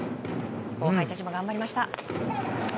後輩たちも頑張りました。